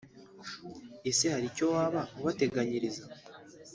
ese hari icyo waba ubateganyiriza